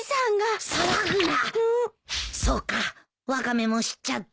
そうかワカメも知っちゃったか。